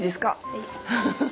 はい。